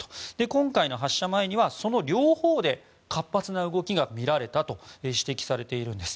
今回の発射前にはその両方で活発な動きが見られたと指摘されているんです。